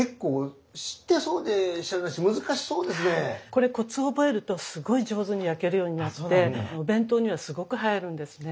これコツを覚えるとすごい上手に焼けるようになってお弁当にはすごく映えるんですね。